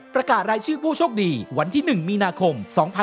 ประกาศรายชื่อผู้โชคดีวันที่๑มีนาคม๒๕๖๒